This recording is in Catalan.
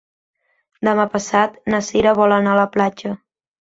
Demà passat na Cira vol anar a la platja.